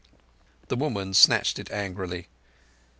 The woman snatched it angrily.